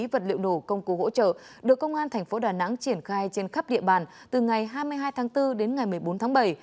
vật liệu nổ công cụ hỗ trợ được công an thành phố đà nẵng triển khai trên khắp địa bàn từ ngày hai mươi hai tháng bốn đến ngày một mươi bốn tháng bảy